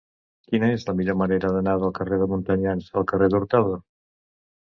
Quina és la millor manera d'anar del carrer de Montanyans al carrer d'Hurtado?